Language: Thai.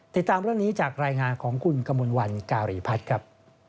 ติดตามเรื่องนี้จากรายงานของคุณกมลวันการีพัฒน์ครับ